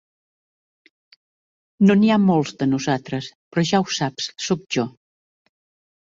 No n'hi ha molts de nosaltres, però ja ho saps, soc jo.